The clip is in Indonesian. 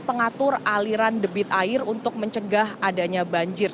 pengatur aliran debit air untuk mencegah adanya banjir